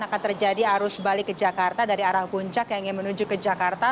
akan terjadi arus balik ke jakarta dari arah puncak yang ingin menuju ke jakarta